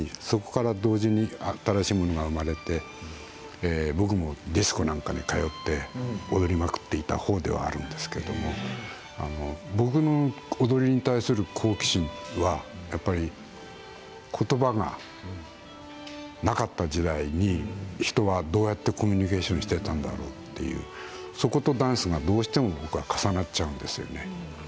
そこから同時に新しいものが生まれて僕もディスコなんかに通って踊りまくっていたほうではあるんですけれど僕の踊りに対する好奇心がことばがなかった時代に人はどうやってコミュニケーションをしていたんだろうというそことダンスはどうしても僕は重なっちゃうんですよね。